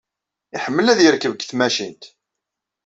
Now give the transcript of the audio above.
Yeḥmmel ad yerkeb deg tmacint.